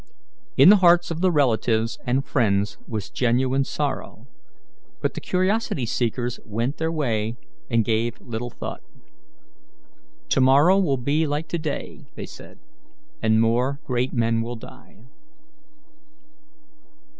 In the hearts of the relatives and friends was genuine sorrow, but the curiosity seekers went their way and gave little thought. "To morrow will be like to day," they said, "and more great men will die."